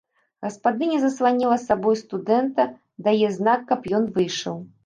Гаспадыня засланіла сабой студэнта, дае знак, каб ён выйшаў.